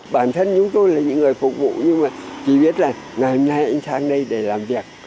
bản thân chúng tôi là những người phục vụ nhưng mà chỉ biết là ngày hôm nay anh sang đây để làm việc